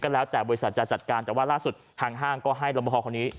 ก็แล้วแต่บริษัทจะจัดการต่อล่าสุดทางห้างก็ให้รมพคนนี้